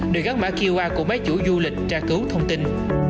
được gắn mã qr của máy chủ du lịch tra cứu thông tin